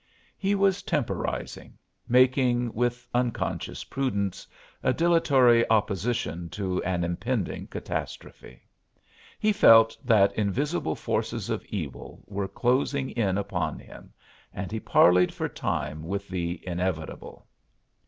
He was temporizing, making, with unconscious prudence, a dilatory opposition to an impending catastrophe. He felt that invisible forces of evil were closing in upon him, and he parleyed for time with the Inevitable.